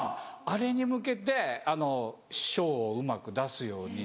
あれに向けて小をうまく出すように。